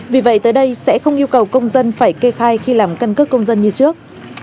vì vậy tới đây sẽ không yêu cầu công dân phải kê khai khi làm căn cước công dân như trước